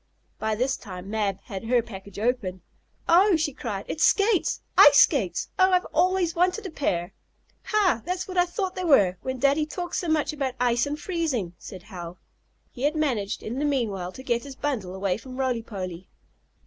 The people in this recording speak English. By this time Mab had her package open. "Oh!" she cried. "It's skates! Ice skates! Oh, I've always wanted a pair!" "Ha! That's what I thought they were, when Daddy talked so much about ice and freezing," said Hal. He had managed, in the meanwhile, to get his bundle away from Roly Poly.